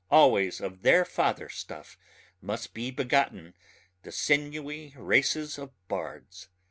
always of their fatherstuff must be begotten the sinewy races of bards.